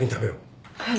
はい。